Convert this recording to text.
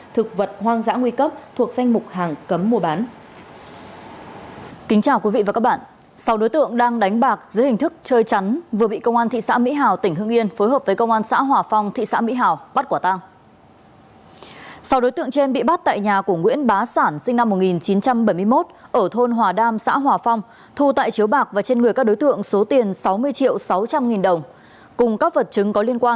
thực vật hoang dã nguy cấp thuộc danh mục hàng cấm mua bán